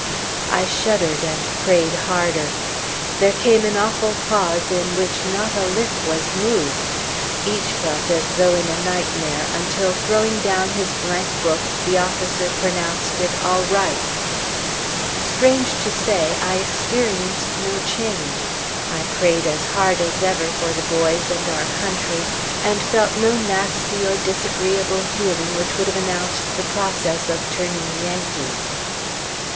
I shuddered and prayed harder. There came an awful pause in which not a lip was moved. Each felt as though in a nightmare, until, throwing down his blank book, the officer pronounced it "All right!" Strange to say, I experienced no change. I prayed as hard as ever for the boys and our country, and felt no nasty or disagreeable feeling which would have announced the process of turning Yankee.